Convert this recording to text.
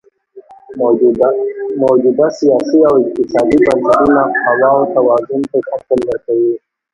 موجوده سیاسي او اقتصادي بنسټونه قواوو توازن ته شکل ورکوي.